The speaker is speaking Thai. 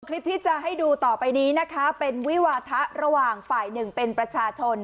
คลิปที่จะให้ดูต่อไปนี้นะคะเป็นวิวาทะระหว่างฝ่ายหนึ่งเป็นประชาชน